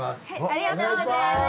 ありがとうございます！